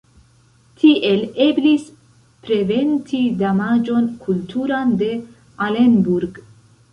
Tiel eblis preventi damaĝon kulturan de Alenburg.